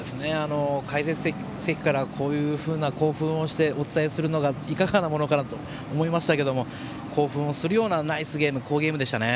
解説席からこういう興奮をしてお伝えをするのはいかがなものかなと思いましたけども興奮をするようなナイスゲーム、好ゲームでしたね。